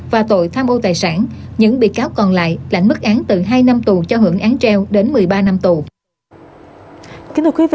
và tội tham ô tài sản những bị cáo còn lại lãnh mức án từ hai năm tù cho hưởng án treo đến một mươi ba năm tù